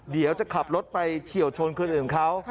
เดี๋ยวจะขับรถไปเฉียวชนคนอื่นเขา